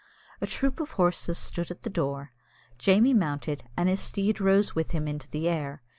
A troop of horses stood at the door. Jamie mounted, and his steed rose with him into the air.